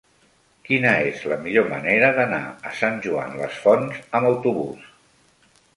Quina és la millor manera d'anar a Sant Joan les Fonts amb autobús?